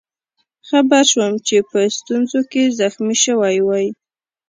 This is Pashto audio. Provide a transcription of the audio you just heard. خبر شوم چې په ایسونزو کې زخمي شوی وئ.